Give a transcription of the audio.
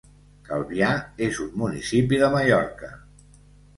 Calvià és un municipi de Mallorca.